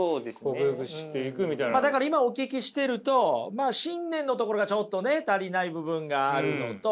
だから今お聞きしてると信念のところがちょっとね足りない部分があるのと。